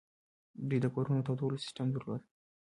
دوی د کورونو د تودولو سیستم درلود